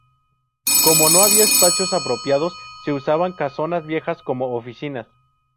Como no había espacios apropiados, se usaban casonas viejas como oficinas.